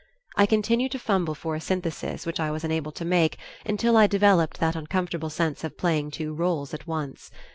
I continued to fumble for a synthesis which I was unable to make until I developed that uncomfortable sense of playing two roles at once.